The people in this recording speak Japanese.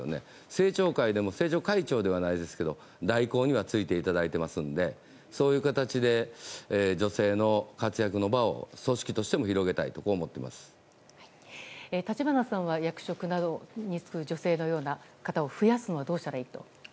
政調会でも政調会長じゃないですけど代行にはついていますのでそういう形で女性の活躍の場を組織としても立花さんは役職に就く女性のような方を増やすにはどうしたらいいと。